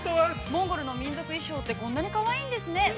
モンゴルの民族衣装って、こんなにかわいいんですね。